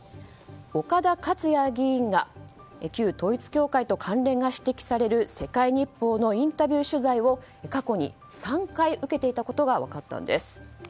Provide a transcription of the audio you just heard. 岡田克也議員が旧統一教会と関連が指摘される世界日報のインタビュー取材を過去に３回受けていたことが分かったんです。